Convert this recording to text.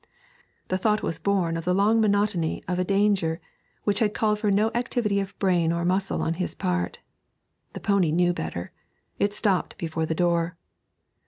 The thought was born of the long monotony of a danger which had called for no activity of brain or muscle on his part. The pony knew better; it stopped before the door.